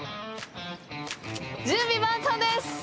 準備万端です！